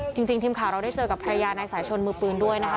ทีมข่าวเราได้เจอกับภรรยานายสายชนมือปืนด้วยนะคะ